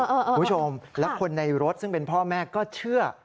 คุณผู้ชมและคนในรถซึ่งเป็นพ่อแม่ก็เชื่อ